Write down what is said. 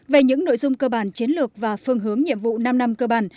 về những nội dung cơ bản chiến lược và phương hướng nhiệm vụ năm năm cơ bản